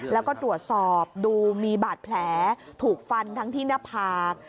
แล้วก็ตรวจสอบดูมีบาดแผลถูกฟันทั้งที่หน้าผาก